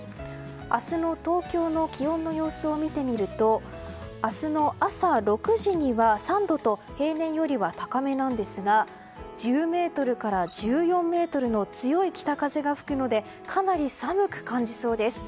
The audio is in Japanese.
明日の東京の気温の様子を見てみると明日の朝６時には３度と平年よりは高めなんですが１０メートルから１４メートルの強い北風が吹くのでかなり寒く感じそうです。